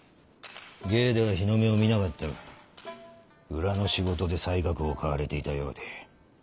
芸では日の目を見なかったが裏の仕事で才覚を買われていたようで。